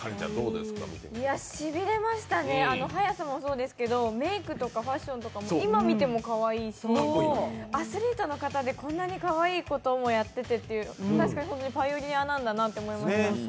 しびれましたね、あの速さもそうですけど、メークとかファッションとかも今見てもかわいいしアスリートの方でこんなにかわいいこともやっててという、確かにパイオニアなんだなと思いました。